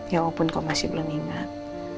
ya walaupun kau masih belum ingat